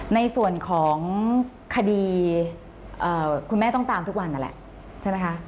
ในส่วนของคดีคุณแม่ต้องตามทุกวันนั่นแหละใช่ไหมคะ